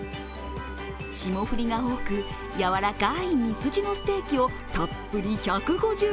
霜降りが多く、やわらかいミスジのステーキをたっぷり１５０ｇ。